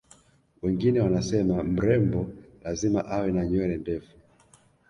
wengine wanasema mrembo lazima awe na nywele ndefu